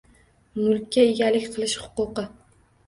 Mulkka egalik qilish huquqi